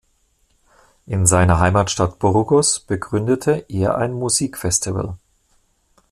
In seiner Heimatstadt Burgos begründete er ein Musikfestival.